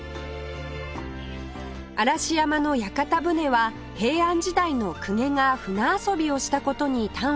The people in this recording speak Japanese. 嵐山の屋形船は平安時代の公家が船遊びをした事に端を発します